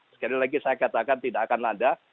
sekali lagi saya katakan tidak akan ada